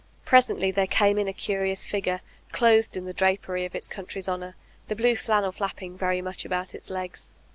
Presently there came in a curious figure, clothed in the drapery of its country's honor, the blue flannel flapping very much about its legs.